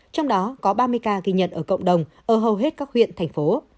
trong đó có ba mươi ca ghi nhận ở cộng đồng ở hầu hết các huyện thành phố